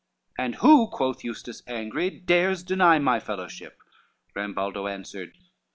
"And who," quoth Eustace, angry, "dares deny My fellowship?" Rambaldo answered, "I."